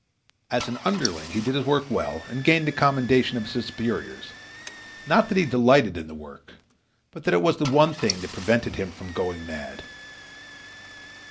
As an underling he did his work well and gained the commendation of his superiors. Not that he delighted in the work, but that it was the one thing that prevented him from going mad.